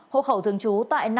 hộ khẩu thường trú tại